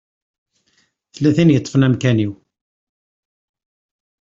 Tella tin i yeṭṭfen amkan-iw.